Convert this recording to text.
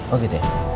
oh gitu ya